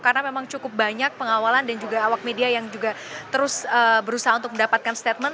karena memang cukup banyak pengawalan dan juga awak media yang juga terus berusaha untuk mendapatkan statement